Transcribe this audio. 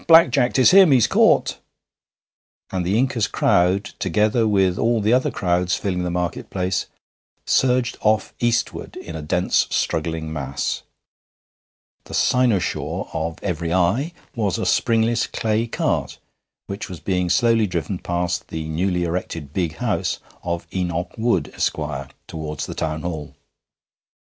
Black Jack! 'Tis him! He's caught!' And the Inca's crowd, together with all the other crowds filling the market place, surged off eastward in a dense, struggling mass. The cynosure of every eye was a springless clay cart, which was being slowly driven past the newly erected 'big house' of Enoch Wood, Esquire, towards the Town Hall.